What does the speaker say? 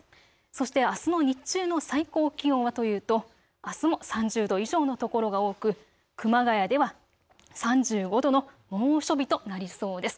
そしてあすの日中の最高気温はというとあすも３０度以上の所が多く熊谷では３５度の猛暑日となりそうです。